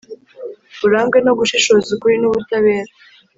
urangwe no gushishoza, ukuri n'ubutabera.